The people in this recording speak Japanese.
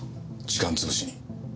時間潰しに。